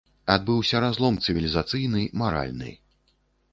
Адбыўся разлом цывілізацыйны, маральны.